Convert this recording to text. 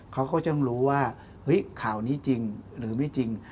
เขาก็จะรู้ว่าเฮ้ยข่าวนี้จริงหรือไม่จริง